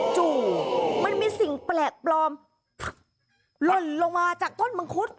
จู่มันมีสิ่งแปลกปลอมหล่นลงมาจากต้นมังคุด